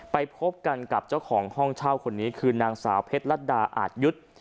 ไปพบกันกับเจ้าของห้องเช่าคนนี้คือนางสาวเพชรรัฐดาอาจยุทธ์